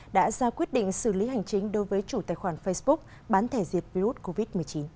đã ra quyết định xử lý hành chính đối với chủ tài khoản facebook bán thẻ diệt virus covid một mươi chín